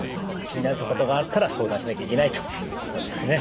気になることがあったら相談しないといけないということですね。